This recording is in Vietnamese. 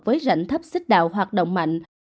với rảnh thấp xích đạo hoạt động mạnh